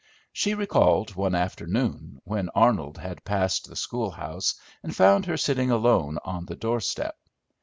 She recalled one afternoon when Arnold had passed the schoolhouse, and found her sitting alone on the doorstep.